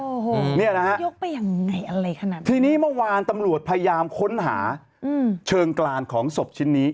โอ้โหเนี่ยนะฮะยกไปยังไงอะไรขนาดนั้นทีนี้เมื่อวานตำรวจพยายามค้นหาอืมเชิงกลานของศพชิ้นนี้